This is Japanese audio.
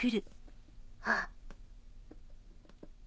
あっ。